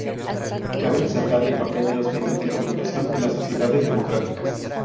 Cabe resaltar el papel de los medios de comunicación en las sociedades democráticas.